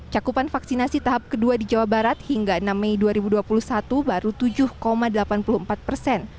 cakupan vaksinasi tahap kedua di jawa barat hingga enam mei dua ribu dua puluh satu baru tujuh delapan puluh empat persen